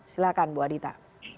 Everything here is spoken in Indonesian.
silahkan bu adita